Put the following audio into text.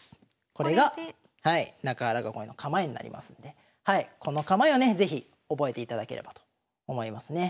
これが中原囲いの構えになりますんでこの構えをね是非覚えていただければと思いますね。